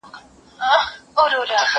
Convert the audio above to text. زه پرون درسونه ولوستل؟